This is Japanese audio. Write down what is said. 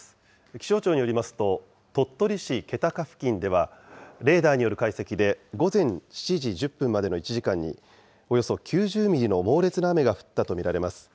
気象庁によりますと、鳥取市気高付近では、レーダーによる解析で、午前７時１０分までの１時間におよそ９０ミリの猛烈な雨が降ったと見られます。